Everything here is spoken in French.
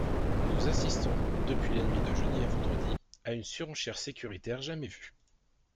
Nous assistons, depuis la nuit de jeudi à vendredi, à une surenchère sécuritaire jamais vue.